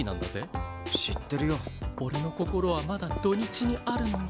俺の心はまだ土日にあるのに。